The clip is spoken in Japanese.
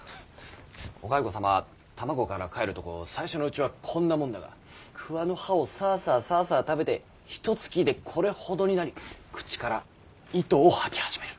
お蚕様は卵からかえるとこう最初のうちはこんなもんだが桑の葉をサアサアサアサア食べてひとつきでこれほどになり口から糸を吐き始める。